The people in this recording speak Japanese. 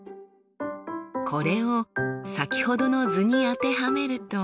これを先ほどの図に当てはめると。